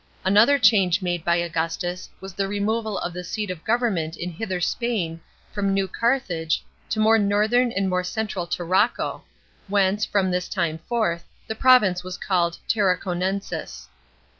Another change made hy Augustus was the removal of the seat of government in Hither Spain from New Carthage to more northern and more central Tarraco, whence, from this time forth, the province was called Tarraconensis.